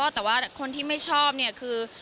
แต่ว่าคนที่ไม่ชอบเนี่ยคือ